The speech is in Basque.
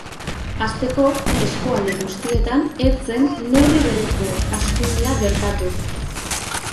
Hasteko, eskualde guztietan ez zen neurri bereko hazkundea gertatu.